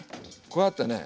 こうやってね。